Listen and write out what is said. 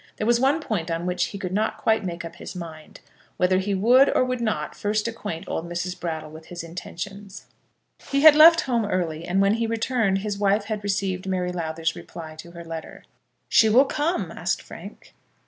There was one point on which he could not quite make up his mind; whether he would or would not first acquaint old Mrs. Brattle with his intention. He had left home early, and when he returned his wife had received Mary Lowther's reply to her letter. "She will come?" asked Frank.